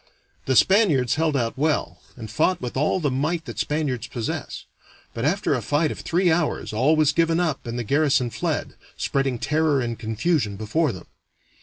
The Spaniards held out well, and fought with all the might that Spaniards possess; but after a fight of three hours all was given up and the garrison fled, spreading terror and confusion before them.